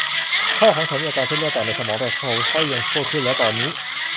พ่อของฉันมีอาการเส้นเลือดแตกในสมอง แต่เขาค่อยยังชั่วขึ้นแล้วตอนนี้